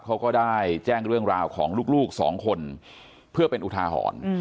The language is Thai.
เขาก็ได้แจ้งเรื่องราวของลูกสองคนเพื่อเป็นอุทาหรณ์